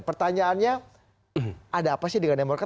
pertanyaannya ada apa sih dengan demokrat